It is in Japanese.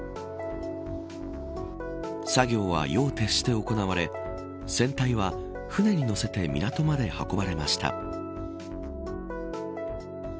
作業は夜を徹して行われ船体は船に乗せて港まで運ばれました。